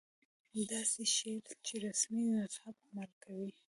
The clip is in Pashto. داسې ښييل چې رسمي مذهب عمل کوي